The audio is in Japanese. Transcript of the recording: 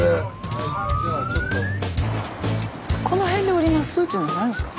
「この辺で降ります」っていうの何ですか？